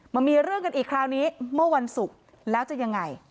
มามีเรื่องกันอีกคราวนี้เมื่อวันศุกร์แล้วจะยังไง